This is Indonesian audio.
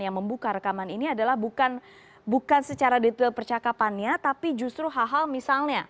yang membuka rekaman ini adalah bukan secara detail percakapannya tapi justru hal hal misalnya